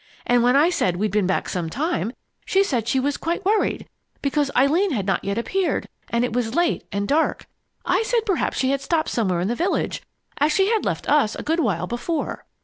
And when I said we'd been back some time, she said she was quite worried because Eileen had not yet appeared and it was late and dark. I said perhaps she had stopped somewhere in the village, as she had left us a good while before.